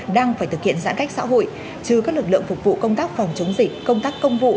đang phải thực hiện giãn cách xã hội chứ các lực lượng phục vụ công tác phòng chống dịch công tác công vụ